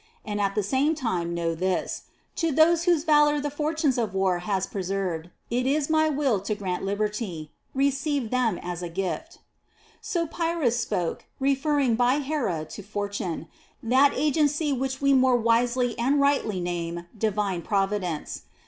And at the same time know this : to those whose valor 5. Mall. 18. 10. 6. De Men. 1,11. Ch. x] DE MONARCHIA 119 the fortunes of war has preserved, it is my will to grant liberty. Receive them as a gift." ' So Pyrrhus spoke, referring by " Hera " to fortune, that agency which we more wisely and rightly name Divine Providence.